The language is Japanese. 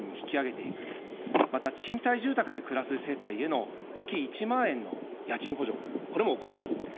また、賃貸住宅で暮らす世帯への月１万円の家賃補助、これも行います。